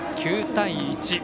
９対１。